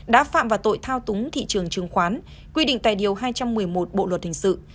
đã phạm vào tội thao túng thị trường chứng khoán quy định tại điều hai trăm một mươi một bộ luật hình sự